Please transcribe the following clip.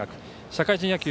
社会人野球